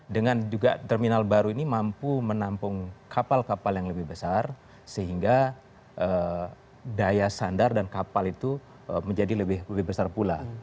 dengan juga terminal baru ini mampu menampung kapal kapal yang lebih besar sehingga daya sandar dan kapal itu menjadi lebih besar pula